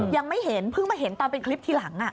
ยังไม่เห็นเพิ่งมาเห็นตอนเป็นคลิปทีหลัง